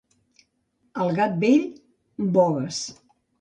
Al gat vell, bogues!